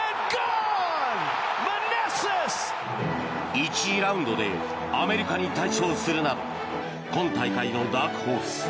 １次ラウンドでアメリカに大勝するなど今大会のダークホース